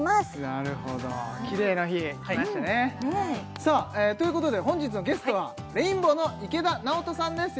なるほどキレイの日きましたねさあということで本日のゲストはレインボーの池田直人さんです